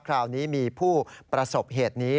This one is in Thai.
คราวนี้มีผู้ประสบเหตุนี้